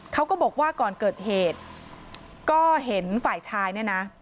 เขาก็บอกว่าก่อนเกิดเหตุก็เห็นฝ่ายชายเนี่ยนะ